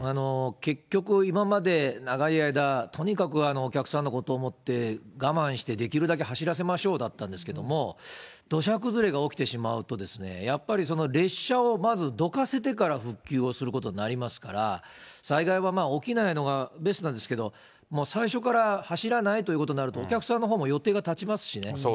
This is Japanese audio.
結局、今まで長い間、とにかくお客さんのことを思って、我慢して、できるだけ走らせましょうだったんですけれども、土砂崩れが起きてしまうと、やっぱり列車をまずどかせてから復旧をすることになりますから、災害は起きないのがベストなんですけど、もう最初から走らないということになると、お客さんのほうも予定が立ちますしね。